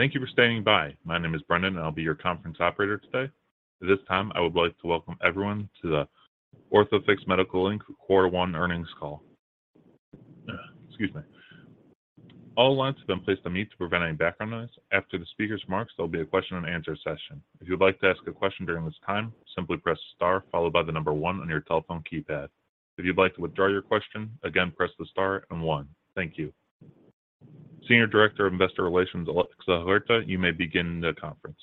Thank you for standing by. My name is Brendan. I'll be your conference operator today. At this time, I would like to welcome everyone to the Orthofix Medical Inc. quarter one earnings call. Excuse me. All lines have been placed on mute to prevent any background noise. After the speaker's remarks, there'll be a question and answer session. If you'd like to ask a question during this time, simply press star followed by the number one on your telephone keypad. If you'd like to withdraw your question, again, press the star and one. Thank you. Senior Director of Investor Relations, Alexa Huerta, you may begin the conference.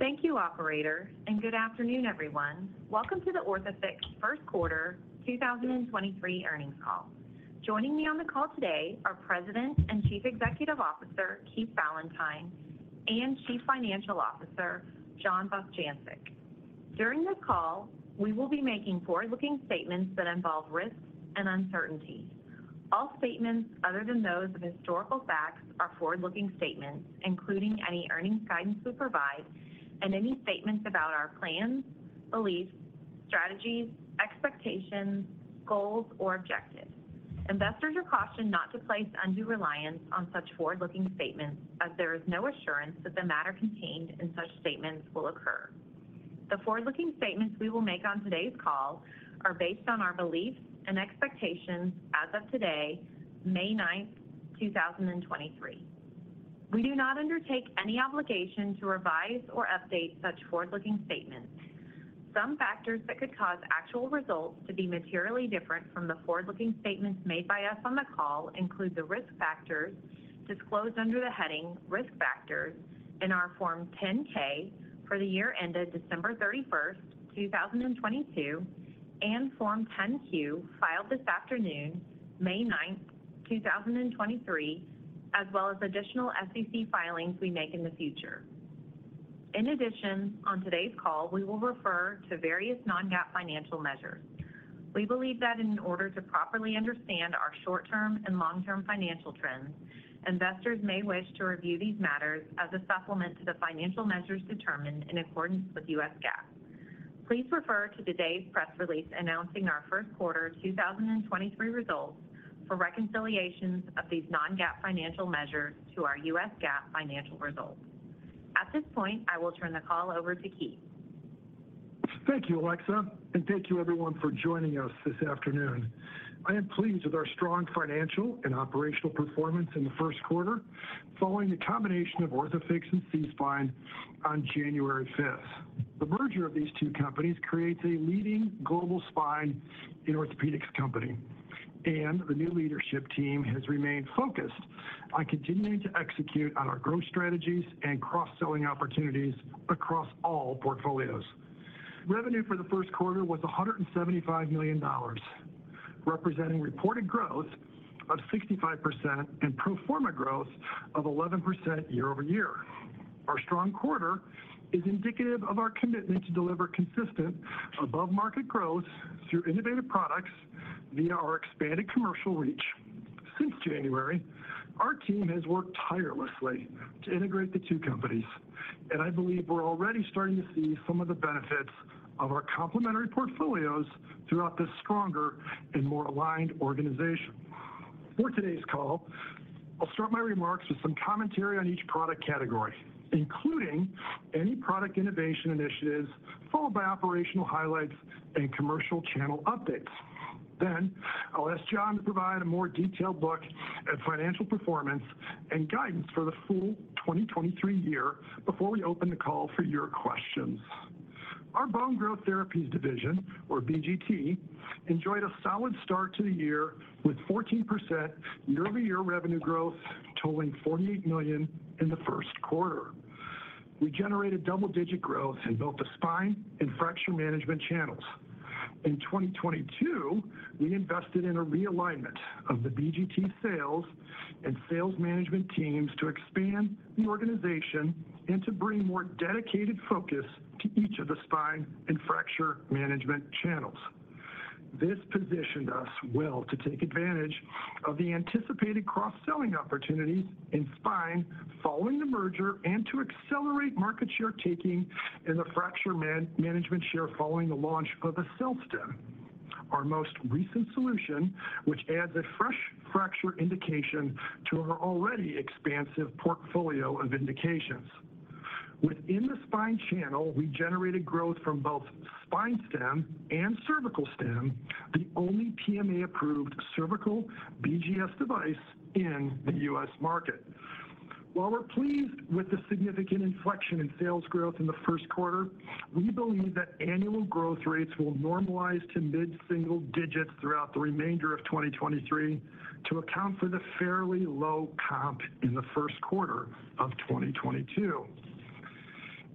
Thank you, operator, and good afternoon, everyone. Welcome to the Orthofix 1st quarter 2023 earnings call. Joining me on the call today are President and Chief Executive Officer, Keith Valentine, and Chief Financial Officer, John Bostjancic. During this call, we will be making forward-looking statements that involve risks and uncertainty. All statements other than those of historical facts are forward-looking statements, including any earnings guidance we provide and any statements about our plans, beliefs, strategies, expectations, goals, or objectives. Investors are cautioned not to place undue reliance on such forward-looking statements as there is no assurance that the matter contained in such statements will occur. The forward-looking statements we will make on today's call are based on our beliefs and expectations as of today, May 9, 2023. We do not undertake any obligation to revise or update such forward-looking statements. Some factors that could cause actual results to be materially different from the forward-looking statements made by us on the call include the risk factors disclosed under the heading Risk Factors in our Form 10-K for the year ended December 31, 2022, and Form 10-Q filed this afternoon, May 9th, 2023, as well as additional SEC filings we make in the future. In addition, on today's call, we will refer to various non-GAAP financial measures. We believe that in order to properly understand our short-term and long-term financial trends, investors may wish to review these matters as a supplement to the financial measures determined in accordance with U.S. GAAP. Please refer to today's press release announcing our first quarter 2023 results for reconciliations of these non-GAAP financial measures to our U.S. GAAP financial results. At this point, I will turn the call over to Keith. Thank you, Alexa, and thank you everyone for joining us this afternoon. I am pleased with our strong financial and operational performance in the first quarter following the combination of Orthofix and SeaSpine on January 5th. The merger of these two companies creates a leading global spine in orthopedics company, and the new leadership team has remained focused on continuing to execute on our growth strategies and cross-selling opportunities across all portfolios. Revenue for the first quarter was $175 million, representing reported growth of 65% and pro forma growth of 11% year-over-year. Our strong quarter is indicative of our commitment to deliver consistent above-market growth through innovative products via our expanded commercial reach. Since January, our team has worked tirelessly to integrate the two companies. I believe we're already starting to see some of the benefits of our complimentary portfolios throughout this stronger and more aligned organization. For today's call, I'll start my remarks with some commentary on each product category, including any product innovation initiatives followed by operational highlights and commercial channel updates. I'll ask John to provide a more detailed look at financial performance and guidance for the full 2023 year before we open the call for your questions. Our Bone Growth Therapies division or BGT, enjoyed a solid start to the year with 14% year-over-year revenue growth totaling $48 million in the first quarter. We generated double-digit growth in both the spine and fracture management channels. In 2022, we invested in a realignment of the BGT sales and sales management teams to expand the organization and to bring more dedicated focus to each of the spine and fracture management channels. This positioned us well to take advantage of the anticipated cross-selling opportunities in spine following the merger and to accelerate market share taking in the fracture management share following the launch of the AccelStim, our most recent solution, which adds a fresh fracture indication to our already expansive portfolio of indications. Within the spine channel, we generated growth from both SpinalStim and CervicalStim, the only PMA-approved cervical BGS device in the U.S. market. While we're pleased with the significant inflection in sales growth in the first quarter, we believe that annual growth rates will normalize to mid-single digits throughout the remainder of 2023 to account for the fairly low comp in the first quarter of 2022.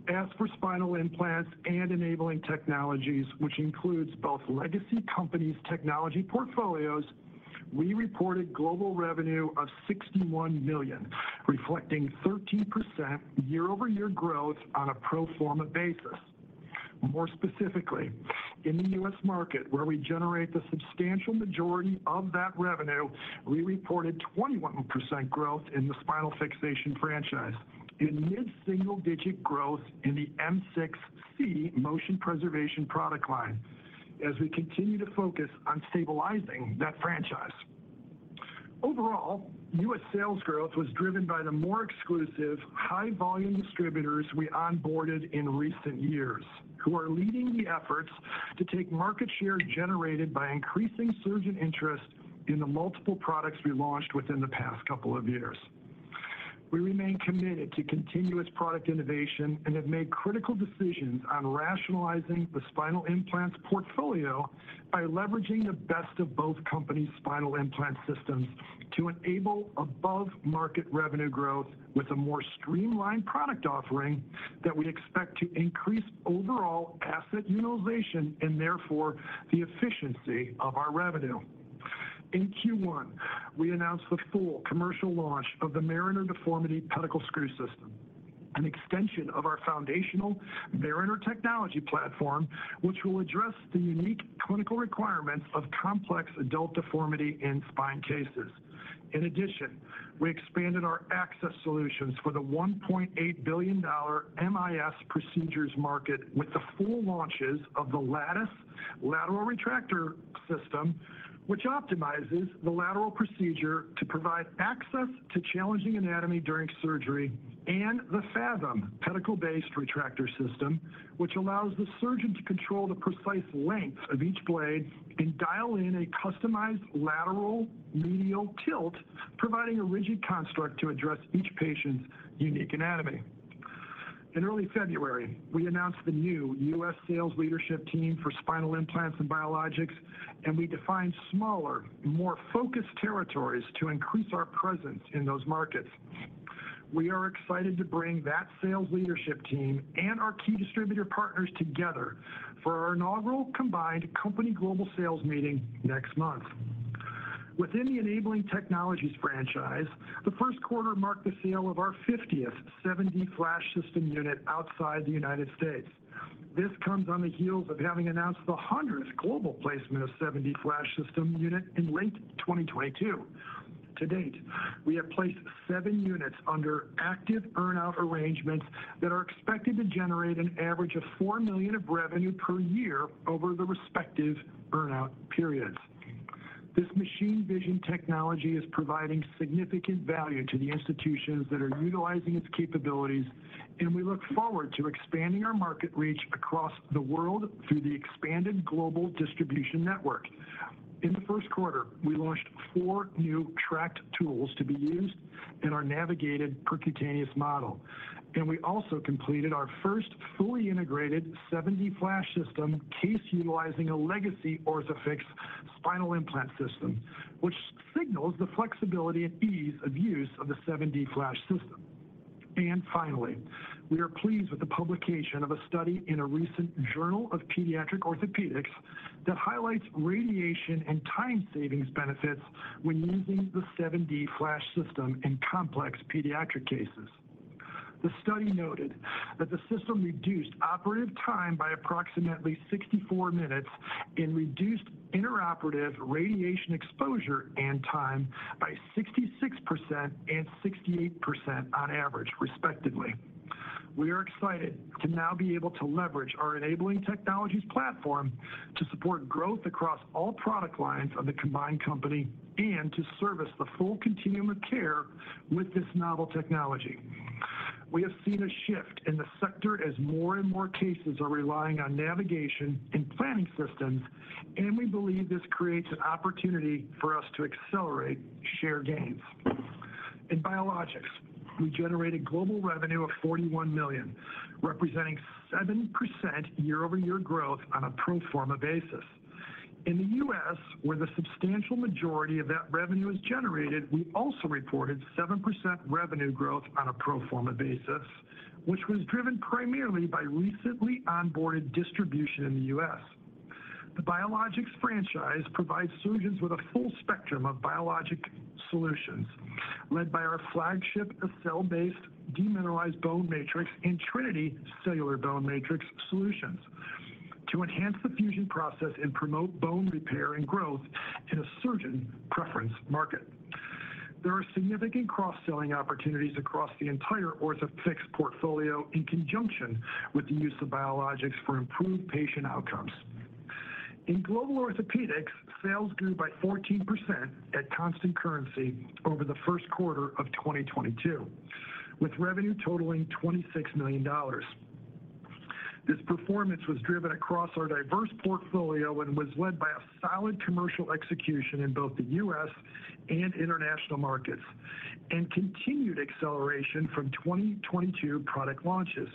As for spinal implants and Enabling Technologies, which includes both legacy companies' technology portfolios, we reported global revenue of $61 million, reflecting 13% year-over-year growth on a pro forma basis. More specifically, in the U.S. market where we generate the substantial majority of that revenue, we reported 21% growth in the spinal fixation franchise and mid-single digit growth in the M6-C motion preservation product line as we continue to focus on stabilizing that franchise. Overall, U.S. sales growth was driven by the more exclusive high volume distributors we onboarded in recent years, who are leading the efforts to take market share generated by increasing surgeon interest in the multiple products we launched within the past couple of years. We remain committed to continuous product innovation and have made critical decisions on rationalizing the spinal implants portfolio by leveraging the best of both companies' spinal implant systems to enable above-market revenue growth with a more streamlined product offering that we expect to increase overall asset utilization and therefore the efficiency of our revenue. In Q1, we announced the full commercial launch of the Mariner Deformity Pedicle Screw System, an extension of our foundational Mariner technology platform, which will address the unique clinical requirements of complex adult deformity in spine cases. In addition, we expanded our access solutions for the $1.8 billion MIS procedures market with the full launches of the Lattus Lateral Retractor system which optimizes the lateral procedure to provide access to challenging anatomy during surgery, and the Fathom Pedicle-Based Retractor system, which allows the surgeon to control the precise length of each blade and dial in a customized lateral medial tilt, providing a rigid construct to address each patient's unique anatomy. In early February, we announced the new U.S. sales leadership team for spinal implants and biologics. We defined smaller and more focused territories to increase our presence in those markets. We are excited to bring that sales leadership team and our key distributor partners together for our inaugural combined company global sales meeting next month. Within the Enabling Technologies franchise, the first quarter marked the sale of our 50th 7D FLASH System unit outside the United States. This comes on the heels of having announced the 100th global placement of 7D FLASH System unit in late 2022. To date, we have placed seven units under active earn-out arrangements that are expected to generate an average of $4 million of revenue per year over the respective earn-out periods. This machine vision technology is providing significant value to the institutions that are utilizing its capabilities, and we look forward to expanding our market reach across the world through the expanded global distribution network. In the first quarter, we launched four new tract tools to be used in our navigated percutaneous model, and we also completed our first fully integrated 7D FLASH System case utilizing a legacy Orthofix spinal implant system, which signals the flexibility and ease of use of the 7D FLASH System. Finally, we are pleased with the publication of a study in a recent Journal of Pediatric Orthopaedics that highlights radiation and time savings benefits when using the 7D FLASH System in complex pediatric cases. The study noted that the system reduced operative time by approximately 64 minutes and reduced intraoperative radiation exposure and time by 66% and 68% on average, respectively. We are excited to now be able to leverage our Enabling Technologies platform to support growth across all product lines of the combined company and to service the full continuum of care with this novel technology. We have seen a shift in the sector as more and more cases are relying on navigation and planning systems, and we believe this creates an opportunity for us to accelerate share gains. In biologics, we generated global revenue of $41 million, representing 7% year-over-year growth on a pro forma basis. In the U.S., where the substantial majority of that revenue is generated, we also reported 7% revenue growth on a pro forma basis, which was driven primarily by recently onboarded distribution in the U.S. The biologics franchise provides surgeons with a full spectrum of biologic solutions led by our flagship of cell-based demineralized bone matrix and Trinity cellular bone matrix solutions to enhance the fusion process and promote bone repair and growth in a surgeon preference market. There are significant cross-selling opportunities across the entire Orthofix portfolio in conjunction with the use of biologics for improved patient outcomes. In global orthopedics, sales grew by 14% at constant currency over the 1st quarter of 2022, with revenue totaling $26 million. This performance was driven across our diverse portfolio and was led by a solid commercial execution in both the U.S. and international markets and continued acceleration from 2022 product launches.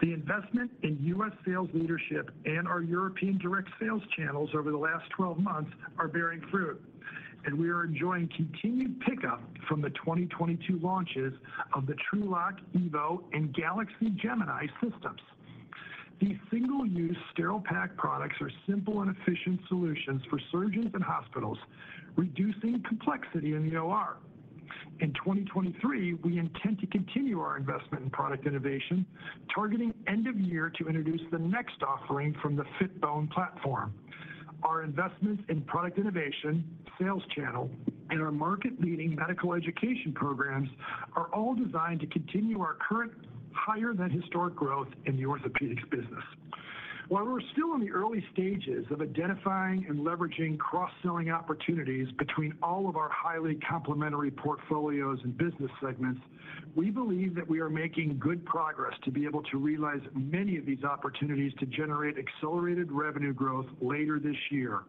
The investment in U.S. sales leadership and our European direct sales channels over the last 12 months are bearing fruit, and we are enjoying continued pickup from the 2022 launches of the TrueLok EVO and Galaxy Fixation Gemini systems. These single-use sterile pack products are simple and efficient solutions for surgeons and hospitals, reducing complexity in the OR. In 2023, we intend to continue our investment in product innovation, targeting end of year to introduce the next offering from the Fitbone platform. Our investments in product innovation, sales channel, and our market leading medical education programs are all designed to continue our current higher than historic growth in the orthopedics business. While we're still in the early stages of identifying and leveraging cross-selling opportunities between all of our highly complementary portfolios and business segments, we believe that we are making good progress to be able to realize many of these opportunities to generate accelerated revenue growth later this year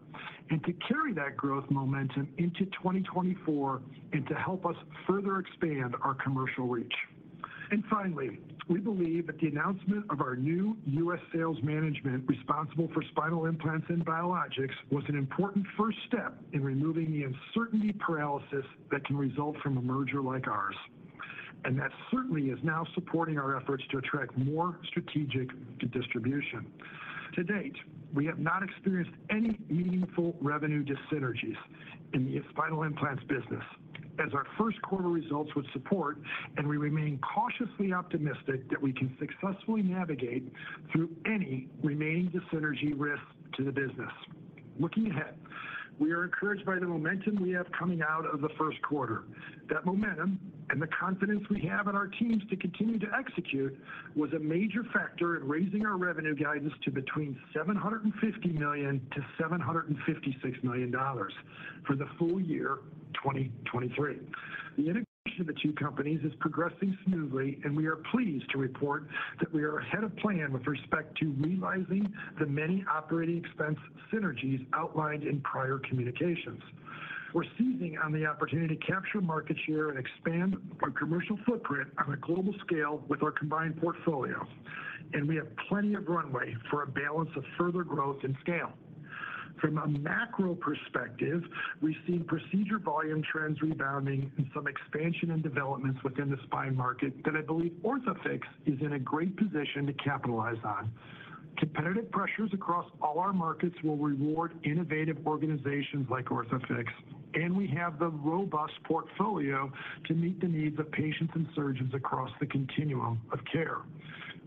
and to carry that growth momentum into 2024 and to help us further expand our commercial reach. Finally, we believe that the announcement of our new U.S. sales management responsible for spinal implants and biologics was an important first step in removing the uncertainty paralysis that can result from a merger like ours. That certainly is now supporting our efforts to attract more strategic distribution. To date, we have not experienced any meaningful revenue dyssynergies in the spinal implants business as our first quarter results would support, and we remain cautiously optimistic that we can successfully navigate through any remaining dyssynergy risk to the business. Looking ahead, we are encouraged by the momentum we have coming out of the first quarter. That momentum and the confidence we have in our teams to continue to execute was a major factor in raising our revenue guidance to between $750 million-$756 million for the full year 2023. The integration of the two companies is progressing smoothly, and we are pleased to report that we are ahead of plan with respect to realizing the many operating expense synergies outlined in prior communications. We're seizing on the opportunity to capture market share and expand our commercial footprint on a global scale with our combined portfolio, and we have plenty of runway for a balance of further growth and scale. From a macro perspective, we've seen procedure volume trends rebounding and some expansion and developments within the spine market that I believe Orthofix is in a great position to capitalize on. Competitive pressures across all our markets will reward innovative organizations like Orthofix, and we have the robust portfolio to meet the needs of patients and surgeons across the continuum of care.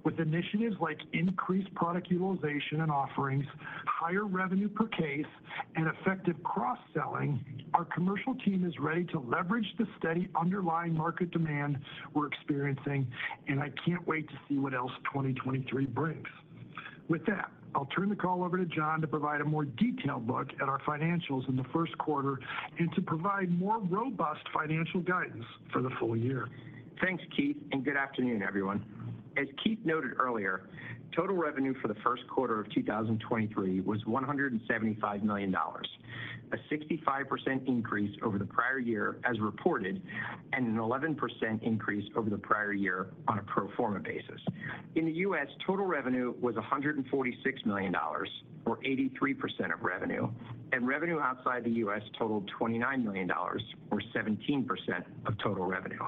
With initiatives like increased product utilization and offerings, higher revenue per case, and effective cross-selling, our commercial team is ready to leverage the steady underlying market demand we're experiencing. I can't wait to see what else 2023 brings. With that, I'll turn the call over to John to provide a more detailed look at our financials in the first quarter and to provide more robust financial guidance for the full year. Thanks, Keith. Good afternoon, everyone. As Keith noted earlier, total revenue for the first quarter of 2023 was $175 million, a 65% increase over the prior year as reported and an 11% increase over the prior year on a pro forma basis. In the U.S., total revenue was $146 million or 83% of revenue, and revenue outside the U.S. totaled $29 million or 17% of total revenue.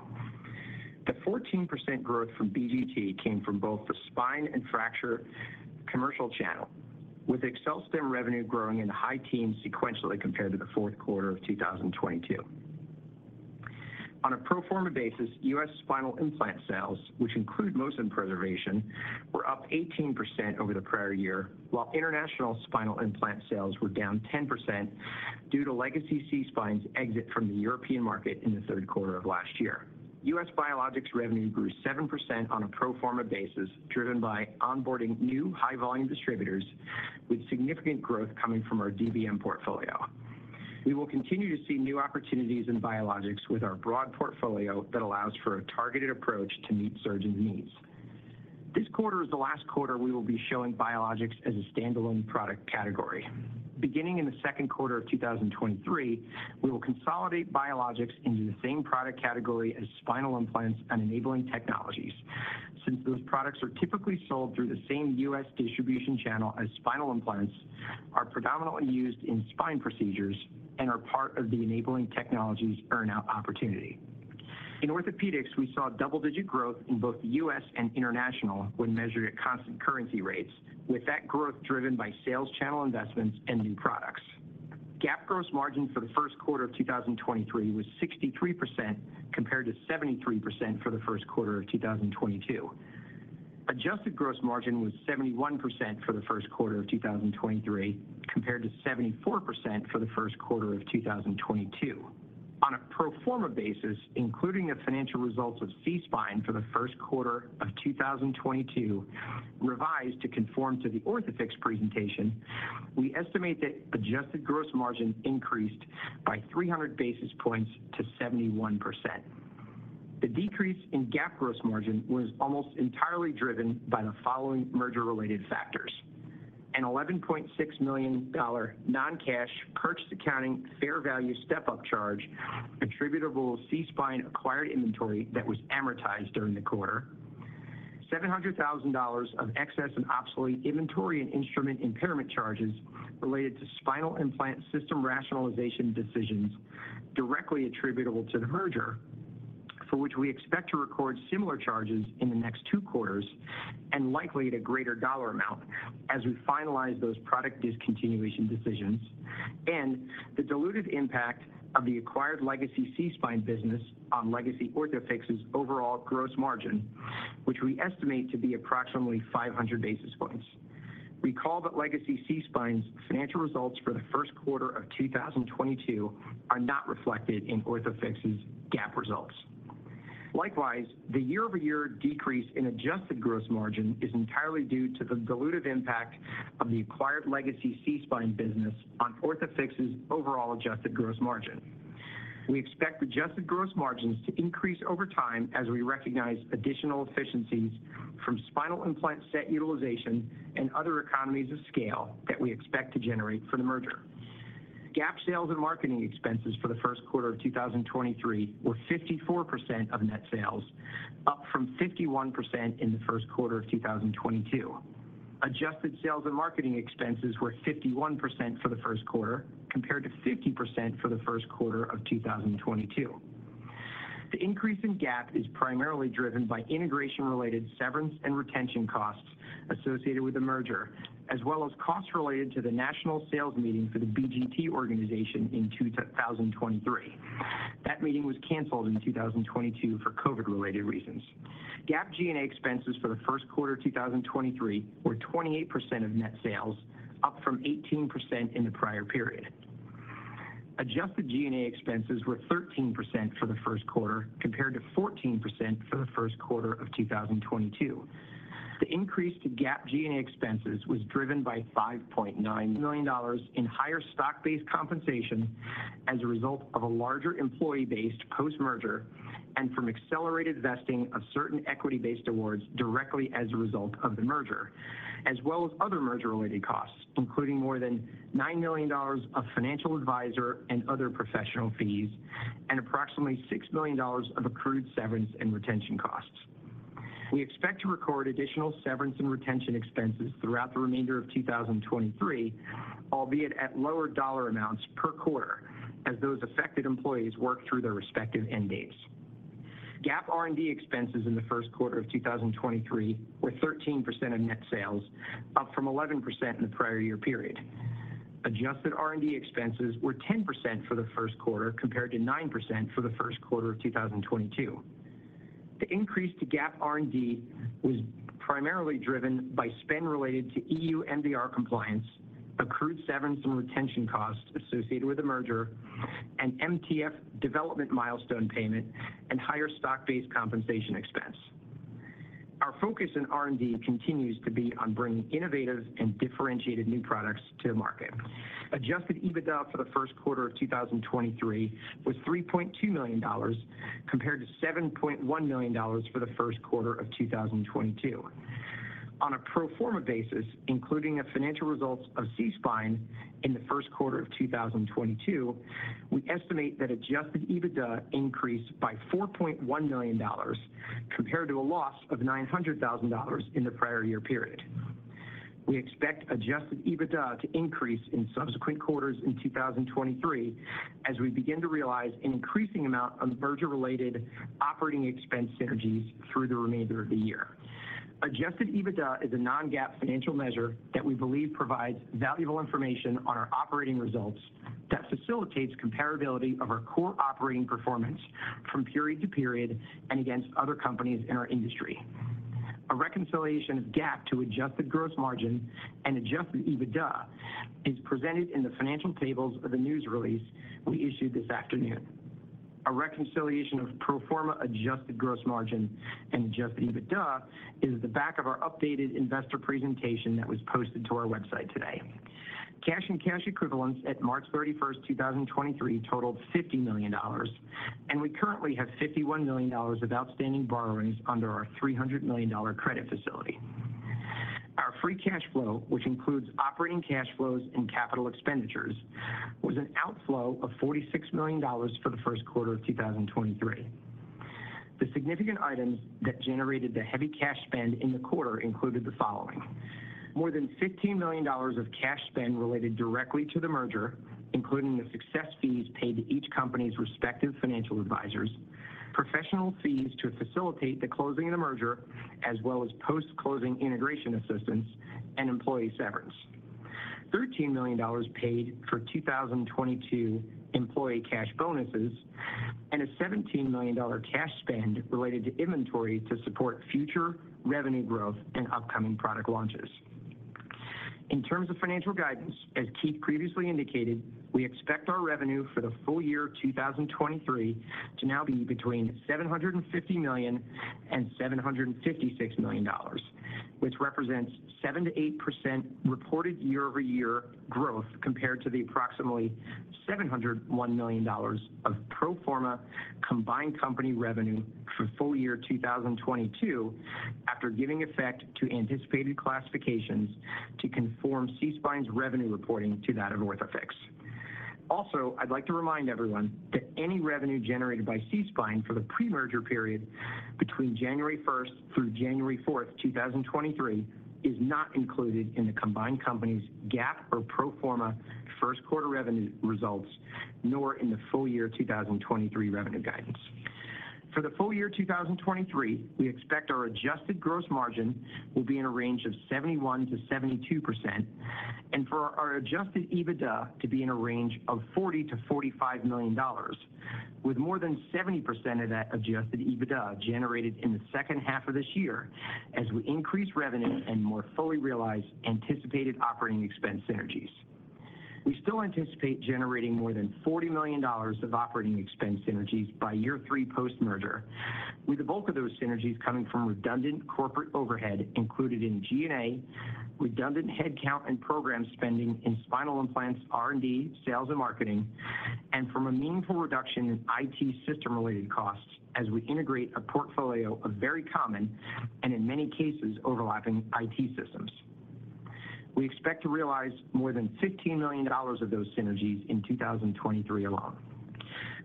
The 14% growth from BGT came from both the spine and fracture commercial channel, with AccelStim revenue growing in the high teens sequentially compared to the fourth quarter of 2022. On a pro forma basis, U.S. spinal implant sales, which include motion preservation, were up 18% over the prior year, while international spinal implant sales were down 10% due to legacy SeaSpine's exit from the European market in the third quarter of last year. U.S. biologics revenue grew 7% on a pro forma basis driven by onboarding new high-volume distributors with significant growth coming from our DBM portfolio. We will continue to see new opportunities in biologics with our broad portfolio that allows for a targeted approach to meet surgeon needs. This quarter is the last quarter we will be showing biologics as a standalone product category. Beginning in the second quarter of 2023, we will consolidate biologics into the same product category as spinal implants and Enabling Technologies since those products are typically sold through the same U.S. distribution channel as spinal implants, are predominantly used in spine procedures, and are part of the Enabling Technologies earn-out opportunity. In orthopedics, we saw double-digit growth in both U.S. and international when measured at constant currency rates, with that growth driven by sales channel investments and new products. GAAP gross margin for the first quarter of 2023 was 63% compared to 73% for the first quarter of 2022. Adjusted gross margin was 71% for the first quarter of 2023 compared to 74% for the first quarter of 2022. On a pro forma basis, including the financial results of SeaSpine for the first quarter of 2022 revised to conform to the Orthofix presentation, we estimate that adjusted gross margin increased by 300 basis points to 71%. The decrease in GAAP gross margin was almost entirely driven by the following merger-related factors: an $11.6 million non-cash purchase accounting fair value step-up charge attributable to SeaSpine acquired inventory that was amortized during the quarter, $700,000 of excess and obsolete inventory and instrument impairment charges related to spinal implant system rationalization decisions directly attributable to the merger, for which we expect to record similar charges in the next two quarters and likely at a greater dollar amount as we finalize those product discontinuation decisions, and the dilutive impact of the acquired legacy SeaSpine business on legacy Orthofix's overall gross margin, which we estimate to be approximately 500 basis points. Recall that legacy SeaSpine's financial results for the first quarter of 2022 are not reflected in Orthofix's GAAP results. The year-over-year decrease in adjusted gross margin is entirely due to the dilutive impact of the acquired legacy SeaSpine business on Orthofix's overall adjusted gross margin. We expect adjusted gross margins to increase over time as we recognize additional efficiencies from spinal implant set utilization and other economies of scale that we expect to generate from the merger. GAAP sales and marketing expenses for the first quarter of 2023 were 54% of net sales, up from 51% in the first quarter of 2022. Adjusted sales and marketing expenses were 51% for the first quarter compared to 50% for the first quarter of 2022. The increase in GAAP is primarily driven by integration-related severance and retention costs associated with the merger, as well as costs related to the national sales meeting for the BGT organization in 2023. That meeting was canceled in 2022 for COVID-related reasons. GAAP G&A expenses for the first quarter of 2023 were 28% of net sales, up from 18% in the prior period. Adjusted G&A expenses were 13% for the first quarter compared to 14% for the first quarter of 2022. The increase to GAAP G&A expenses was driven by $5.9 million in higher stock-based compensation as a result of a larger employee base post-merger and from accelerated vesting of certain equity-based awards directly as a result of the merger, as well as other merger-related costs, including more than $9 million of financial advisor and other professional fees, and approximately $6 million of accrued severance and retention costs. We expect to record additional severance and retention expenses throughout the remainder of 2023, albeit at lower dollar amounts per quarter as those affected employees work through their respective end dates. GAAP R&D expenses in the first quarter of 2023 were 13% of net sales, up from 11% in the prior year period. Adjusted R&D expenses were 10% for the first quarter compared to 9% for the first quarter of 2022. The increase to GAAP R&D was primarily driven by spend related to EU MDR compliance, accrued severance and retention costs associated with the merger, and MTF development milestone payment and higher stock-based compensation expense. Our focus in R&D continues to be on bringing innovative and differentiated new products to the market. Adjusted EBITDA for the first quarter of 2023 was $3.2 million compared to $7.1 million for the first quarter of 2022. On a pro forma basis, including the financial results of SeaSpine in the first quarter of 2022, we estimate that adjusted EBITDA increased by $4.1 million compared to a loss of $900,000 in the prior year period. We expect adjusted EBITDA to increase in subsequent quarters in 2023 as we begin to realize an increasing amount of merger-related operating expense synergies through the remainder of the year. Adjusted EBITDA is a non-GAAP financial measure that we believe provides valuable information on our operating results that facilitates comparability of our core operating performance from period to period and against other companies in our industry. A reconciliation of GAAP to adjusted gross margin and adjusted EBITDA is presented in the financial tables of the news release we issued this afternoon. A reconciliation of pro forma adjusted gross margin and adjusted EBITDA is at the back of our updated investor presentation that was posted to our website today. Cash and cash equivalents at March 31st, 2023 totaled $50 million, we currently have $51 million of outstanding borrowings under our $300 million credit facility. Our free cash flow, which includes operating cash flows and capital expenditures, was an outflow of $46 million for the first quarter of 2023. The significant items that generated the heavy cash spend in the quarter included the following: More than $15 million of cash spend related directly to the merger, including the success fees paid to each company's respective financial advisors, professional fees to facilitate the closing of the merger, as well as post-closing integration assistance and employee severance. $13 million paid for 2022 employee cash bonuses and a $17 million cash spend related to inventory to support future revenue growth and upcoming product launches. In terms of financial guidance, as Keith previously indicated, we expect our revenue for the full year of 2023 to now be between $750 million and $756 million, which represents 7%-8% reported year-over-year growth compared to the approximately $701 million of pro forma combined company revenue for full year 2022 after giving effect to anticipated classifications to conform SeaSpine's revenue reporting to that of Orthofix. I'd like to remind everyone that any revenue generated by SeaSpine for the pre-merger period between January 1st-January 4th, 2023, is not included in the combined company's GAAP or pro forma first quarter revenue results, nor in the full year 2023 revenue guidance. For the full year 2023, we expect our adjusted gross margin will be in a range of 71%-72%, and for our adjusted EBITDA to be in a range of $40 million-$45 million, with more than 70% of that adjusted EBITDA generated in the second half of this year as we increase revenue and more fully realize anticipated operating expense synergies. We still anticipate generating more than $40 million of operating expense synergies by year 3 post-merger with the bulk of those synergies coming from redundant corporate overhead included in G&A redundant headcount and program spending in spinal implants, R&D, sales and marketing and from a meaningful reduction in IT system related costs as we integrate a portfolio of very common and in many cases, overlapping IT systems. We expect to realize more than $15 million of those synergies in 2023 alone.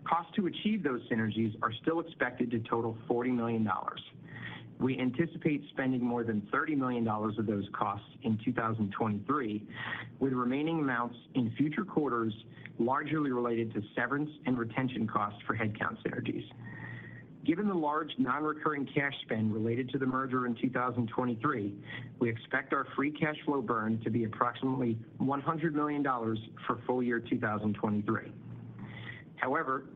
Costs to achieve those synergies are still expected to total $40 million. We anticipate spending more than $30 million of those costs in 2023, with remaining amounts in future quarters largely related to severance and retention costs for headcount synergies. Given the large non-recurring cash spend related to the merger in 2023, we expect our free cash flow burn to be approximately $100 million for full year 2023.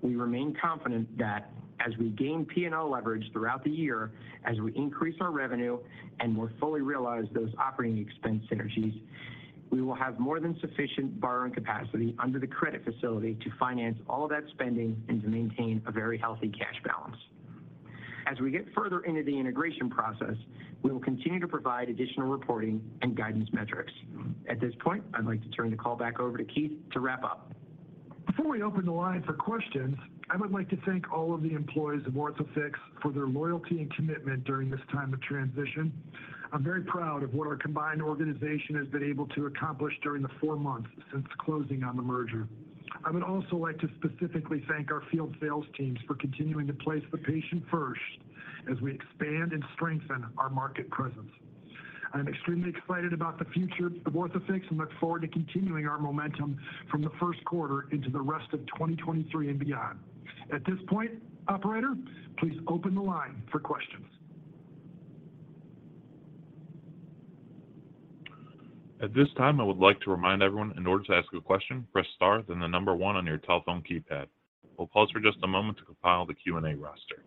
We remain confident that as we gain P&L leverage throughout the year, as we increase our revenue and more fully realize those operating expense synergies, we will have more than sufficient borrowing capacity under the credit facility to finance all of that spending and to maintain a very healthy cash balance. As we get further into the integration process, we will continue to provide additional reporting and guidance metrics. At this point, I'd like to turn the call back over to Keith to wrap up. Before we open the line for questions, I would like to thank all of the employees of Orthofix for their loyalty and commitment during this time of transition. I'm very proud of what our combined organization has been able to accomplish during the four months since closing on the merger. I would also like to specifically thank our field sales teams for continuing to place the patient first as we expand and strengthen our market presence. I'm extremely excited about the future of Orthofix and look forward to continuing our momentum from the first quarter into the rest of 2023 and beyond. At this point, operator, please open the line for questions. At this time, I would like to remind everyone, in order to ask a question, press star then the number one on your telephone keypad. We'll pause for just a moment to compile the Q&A roster.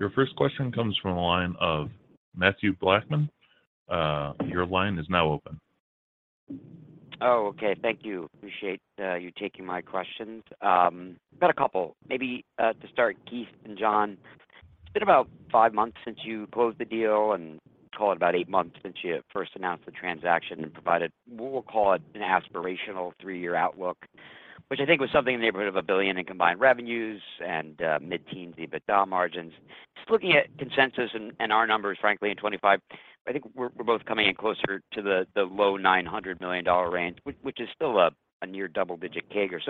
Your first question comes from the line of Matthew Blackman. Your line is now open. Okay. Thank you. Appreciate you taking my questions. Got a couple maybe to start. Keith and John, it's been about five months since you closed the deal and call it about eight months since you first announced the transaction and provided, we'll call it an aspirational three-year outlook, which I think was something in the neighborhood of $1 billion in combined revenues and mid-teen EBITDA margins. Just looking at consensus and our numbers frankly in 2025, I think we're both coming in closer to the low $900 million range, which is still a near double-digit CAGR.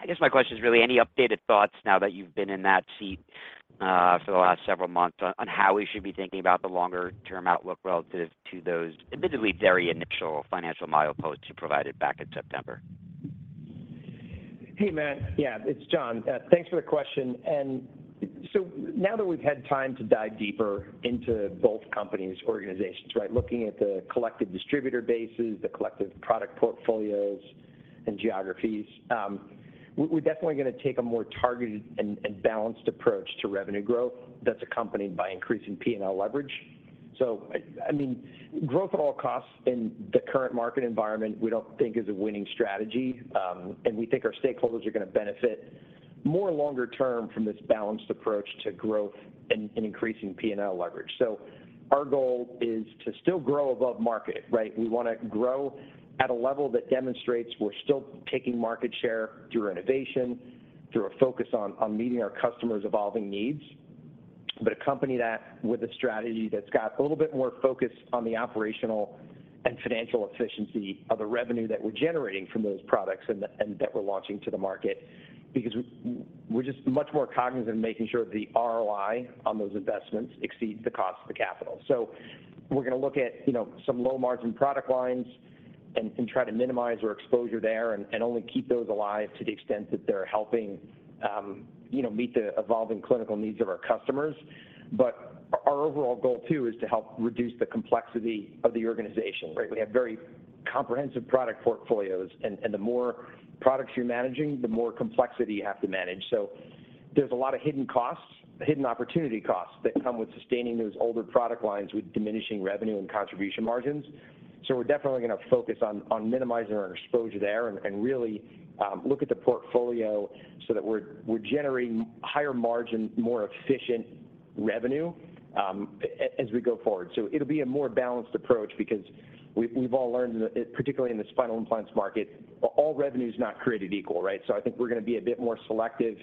I guess my question is really any updated thoughts now that you've been in that seat, for the last several months on how we should be thinking about the longer term outlook relative to those admittedly very initial financial mileposts you provided back in September? Hey, Matt. Yeah, it's John. Thanks for the question. Now that we've had time to dive deeper into both companies' organizations, right? Looking at the collective distributor bases, the collective product portfolios and geographies, we're definitely gonna take a more targeted and balanced approach to revenue growth that's accompanied by increasing P&L leverage. I mean, growth at all costs in the current market environment, we don't think is a winning strategy. And we think our stakeholders are gonna benefit more longer term from this balanced approach to growth and increasing P&L leverage. Our goal is to still grow above market, right? We want to grow at a level that demonstrates we're still taking market share through innovation, through a focus on meeting our customers' evolving needs. Accompany that with a strategy that's got a little bit more focus on the operational and financial efficiency of the revenue that we're generating from those products and that we're launching to the market. We're just much more cognizant in making sure the ROI on those investments exceeds the cost of the capital. We're gonna look at, you know, some low margin product lines and try to minimize our exposure there and only keep those alive to the extent that they're helping, you know, meet the evolving clinical needs of our customers. Our overall goal too, is to help reduce the complexity of the organization, right? We have very comprehensive product portfolios and the more products you're managing, the more complexity you have to manage. There's a lot of hidden costs, hidden opportunity costs that come with sustaining those older product lines with diminishing revenue and contribution margins. We're definitely gonna focus on minimizing our exposure there and really, look at the portfolio so that we're generating higher margin, more efficient revenue as we go forward. It'll be a more balanced approach because we've all learned that, particularly in the spinal implants market, all revenue's not created equal, right? I think we're gonna be a bit more selective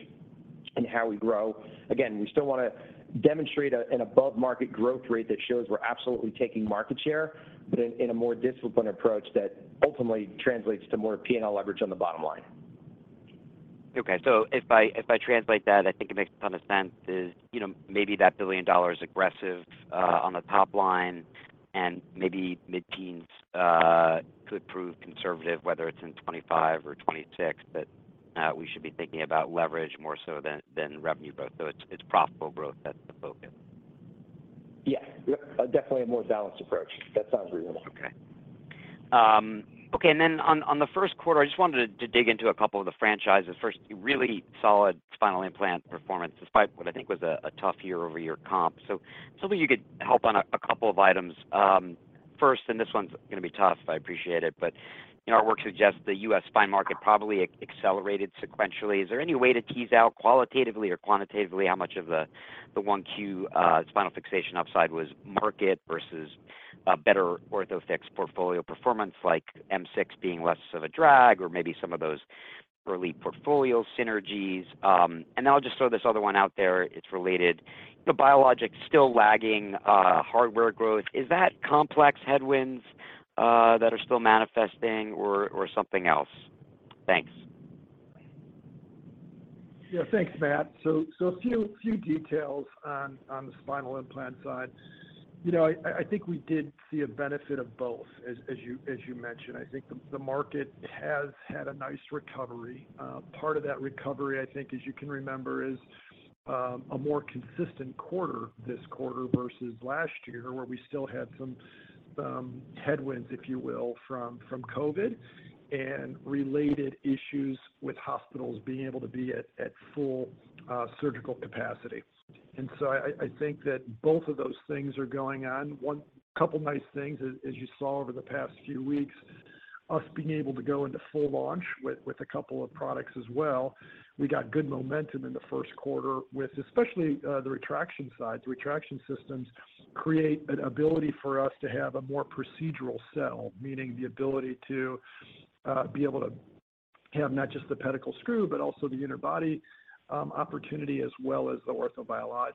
in how we grow. We still want to demonstrate an above market growth rate that shows we're absolutely taking market share, but in a more disciplined approach that ultimately translates to more P&L leverage on the bottom line. Okay. If I, if I translate that, I think it makes ton of sense is, you know, maybe that billion dollar is aggressive, on the top line and maybe mid-teens, could prove conservative, whether it's in 2025 or 2026. We should be thinking about leverage more so than revenue growth. It's profitable growth that's the focus. Yep. Definitely a more balanced approach. That sounds reasonable. On the first quarter, I just wanted to dig into a couple of the franchises. First, really solid spinal implant performance, despite what I think was a tough year-over-year comp. If you could help on a couple of items, first, this one's gonna be tough. I appreciate it. You know, our work suggests the U.S. spine market probably accelerated sequentially. Is there any way to tease out qualitatively or quantitatively how much of the 1Q spinal fixation upside was market versus a better Orthofix portfolio performance, like M6 being less of a drag or maybe some of those early portfolio synergies? I'll just throw this other one out there. It's related. The biologic still lagging hardware growth. Is that complex headwinds that are still manifesting or something else? Thanks. Yeah. Thanks, Matt. A few details on the spinal implant side. You know, I think we did see a benefit of both as you mentioned. I think the market has had a nice recovery. Part of that recovery, I think as you can remember, is a more consistent quarter this quarter versus last year, where we still had some headwinds, if you will, from COVID and related issues with hospitals being able to be at full surgical capacity. I think that both of those things are going on. Couple nice things as you saw over the past few weeks, us being able to go into full launch with a couple of products as well. We got good momentum in the first quarter with especially the retraction side. The retraction systems create an ability for us to have a more procedural sell, meaning the ability to be able to have not just the pedicle screw, but also the interbody opportunity as well as the orthobiologics.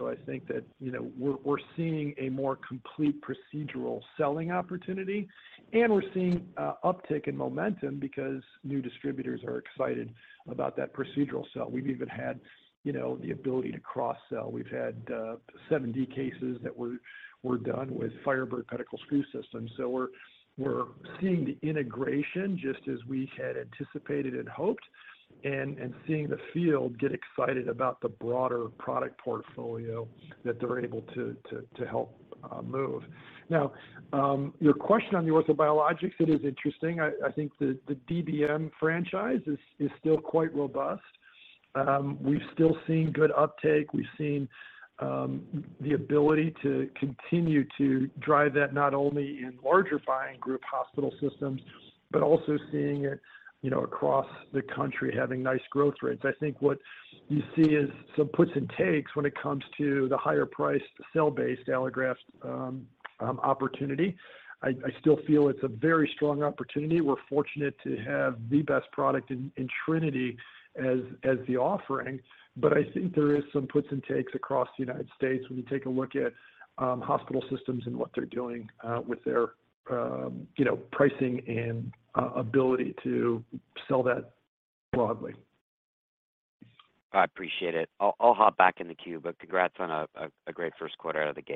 I think that, you know, we're seeing a more complete procedural selling opportunity, and we're seeing uptick in momentum because new distributors are excited about that procedural sell. We've even had, you know, the ability to cross-sell. We've had 70 cases that were done with Firebird Spinal Fixation System. We're seeing the integration just as we had anticipated and hoped and seeing the field get excited about the broader product portfolio that they're able to help move. Your question on the orthobiologics, it is interesting. I think the DBM franchise is still quite robust. We've still seen good uptake. We've seen the ability to continue to drive that not only in larger buying group hospital systems, but also seeing it, you know, across the country having nice growth rates. I think what you see is some puts and takes when it comes to the higher priced cell-based allograft opportunity. I still feel it's a very strong opportunity. We're fortunate to have the best product in Trinity as the offering. I think there is some puts and takes across the United States when you take a look at hospital systems and what they're doing with their, you know, pricing and ability to sell that broadly. I appreciate it. I'll hop back in the queue. Congrats on a great first quarter out of the gate.